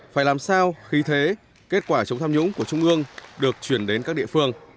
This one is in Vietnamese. phải làm sao khi thế kết quả chống tham nhũng của trung ương được chuyển đến các địa phương